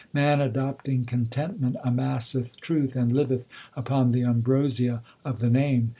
Man adopting contentment amasseth truth, and liveth upon the ambrosia of the Name.